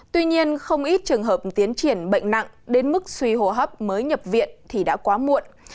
tuy nhiên không ít trường hợp tiến triển bệnh nặng đến mức suy hồ hấp mới nhập viện thì đã quá muộn